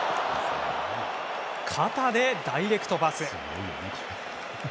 肩でダイレクトパス。